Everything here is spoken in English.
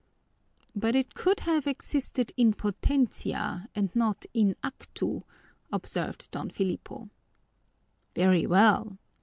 "But it could have existed in potentia and not in actu," observed Don Filipo. "Very well!